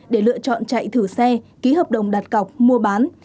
để lựa chọn chạy thử xe ký hợp đồng đặt cọc mua bán